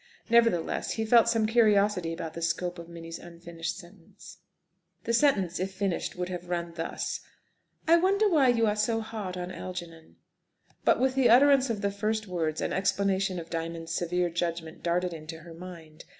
Nevertheless, he felt some curiosity about the scope of Minnie's unfinished sentence. The sentence, if finished, would have run thus: "I wonder why you are so hard on Algernon!" But with the utterance of the first words an explanation of Diamond's severe judgment darted into her mind.